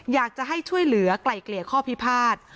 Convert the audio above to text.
อยากจะให้ช่วยเหลือไกล่เกลี่ยข้อพิพาท